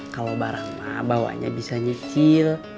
kalau barang ma bawanya bisa nyekil